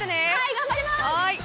頑張ります！